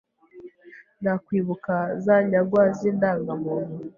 Nakwibuka zanyagwa z'indangamuntu